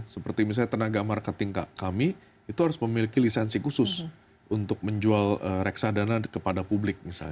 seperti misalnya tenaga marketing kami itu harus memiliki lisensi khusus untuk menjual reksadana kepada publik misalnya